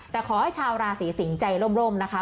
แต่ขอให้ชาวราศีสิงศ์ใจร่มนะคะ